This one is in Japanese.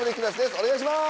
お願いします！